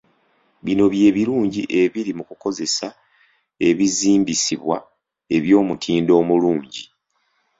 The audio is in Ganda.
Bino bye birungi ebiri mu kukozesa ebizimbisibwa eby'omutindo omulungi.